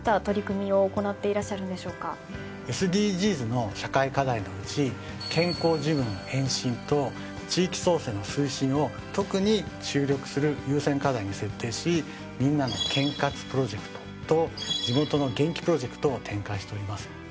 ＳＤＧｓの社会課題のうち健康寿命の延伸と地域創生の推進を特に注力する優先課題に設定し「みんなの健活プロジェクト」と「地元の元気プロジェクト」を展開しております。